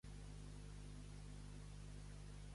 Fer-se castells de borumballes.